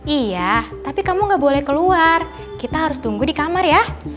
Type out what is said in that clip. iya tapi kamu gak boleh keluar kita harus tunggu di kamar ya